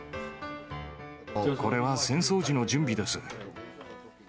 これは戦争時の準備です。